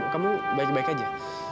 kamu baik baik aja